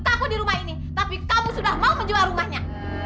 kamu di rumah ini tapi kamu sudah mau menjual rumahnya